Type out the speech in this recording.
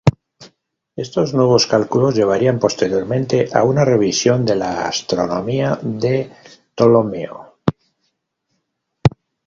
Estos nuevos cálculos llevarían posteriormente a una revisión de la astronomía de Ptolomeo.